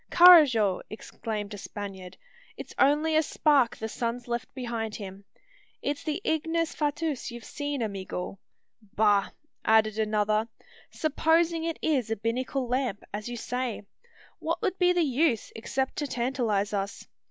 "Carrajo!" exclaimed a Spaniard; "it's only a spark the sun's left behind him. It's the ignis fatuus you've seen, amigo!" "Bah!" added another; "supposing it is a binnacle lamp, as you say, what would be the use, except to tantalise us.